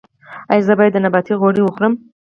ایا زه باید د نباتي غوړي وخورم؟